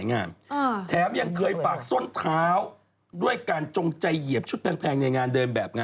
นางเกิ้มอยู่แล้วก็เอาช่างหน้าช่างผมนางเอง